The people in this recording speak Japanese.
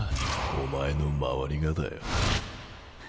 お前の周りがだよ。